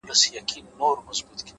ژمنتیا هدف له خوب څخه واقعیت ته راولي